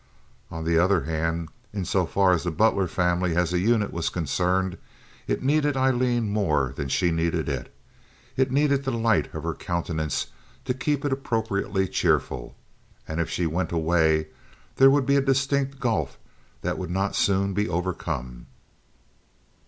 On the other hand, in so far as the Butler family as a unit was concerned, it needed Aileen more than she needed it. It needed the light of her countenance to keep it appropriately cheerful, and if she went away there would be a distinct gulf that would not soon be overcome.